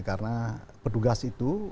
karena petugas itu